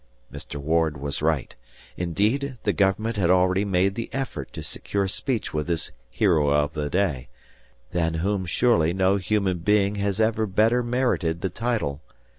Mr. Ward was right. Indeed, the government had already made the effort to secure speech with this hero of the day, than whom surely no human being has ever better merited the title.